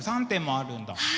３３点もあるんだ。